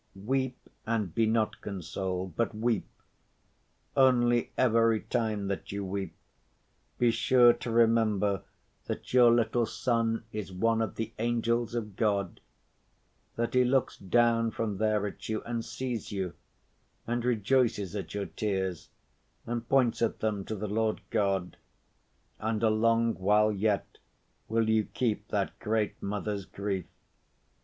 Weep and be not consoled, but weep. Only every time that you weep be sure to remember that your little son is one of the angels of God, that he looks down from there at you and sees you, and rejoices at your tears, and points at them to the Lord God; and a long while yet will you keep that great mother's grief.